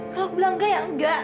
kalau aku bilang nggak ya nggak